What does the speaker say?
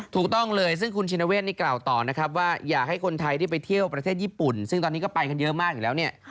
ถูกต้องเลยซึ่งคุณชินเวศนี่กล่าวต่อนะครับว่าอยากให้คนไทยที่ไปเที่ยวประเทศญี่ปุ่นซึ่งตอนนี้ก็ไปกันเยอะมากอยู่แล้วเนี่ย